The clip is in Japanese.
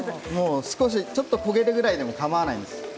ちょっと焦げるぐらいでもかまわないです。